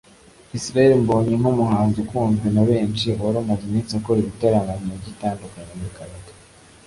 Israel Mbonyi nk’umuhanzi ukunzwe na benshi wari umaze iminsi akora ibitaramo mu mijyi itandukanye muri Canada